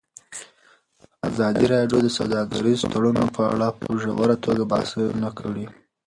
ازادي راډیو د سوداګریز تړونونه په اړه په ژوره توګه بحثونه کړي.